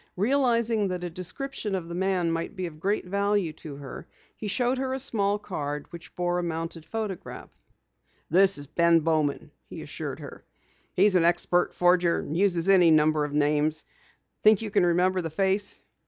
Realizing that a description of the man might be of great value to her, he showed her a small card which bore a mounted photograph. "This is Ben Bowman," he assured her. "He's an expert forger, and uses any number of names. Think you can remember the face?"